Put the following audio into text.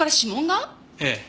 ええ。